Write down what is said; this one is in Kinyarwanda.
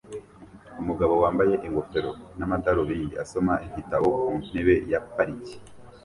Umugabo wambaye ingofero n'amadarubindi asoma igitabo ku ntebe ya parike